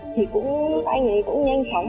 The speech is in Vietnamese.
thì cũng các anh ấy cũng nhanh chóng